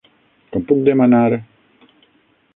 Com puc demanar...?